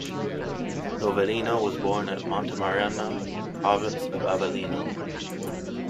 Novellino was born at Montemarano, province of Avellino.